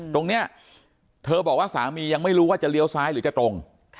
ตรงนี้เธอบอกว่าสามียังไม่รู้ว่าจะเลี้ยวซ้ายหรือจะตรง